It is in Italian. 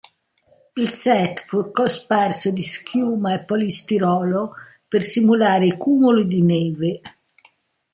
Il set fu cosparso di schiuma e polistirolo per simulare i cumuli di neve.